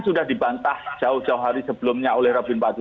sudah dibantah jauh jauh hari sebelumnya oleh robin empat puluh tujuh